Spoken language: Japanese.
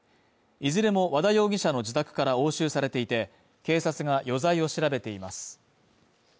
いずれも和田容疑者の自宅から押収されていて警察が余罪を調べています。